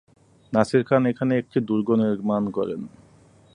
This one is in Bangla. নাসির খান এখানে একটি দুর্গ নির্মাণ করেন।